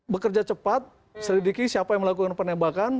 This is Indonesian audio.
bekerja cepat selidiki siapa yang melakukan penembakan